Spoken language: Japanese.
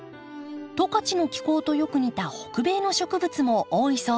十勝の気候とよく似た北米の植物も多いそうです。